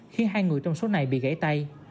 khiến hai người trong số này bị gãy tay